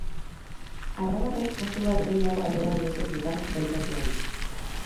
Arabarrek puntu bat gehiago atera diote bigarren sailkatuari.